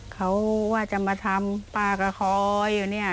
เขาว่าจะมาทำป้ากระคอยนะ